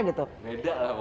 beda lah bawangnya